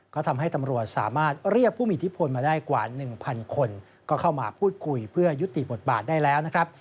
ก็ทำให้ตำรวจสามารถเรียกผู้มีอิทธิพลมาได้กว่า๑๐๐คนก็เข้ามาพูดคุยเพื่อยุติบทบาทได้แล้วนะครับ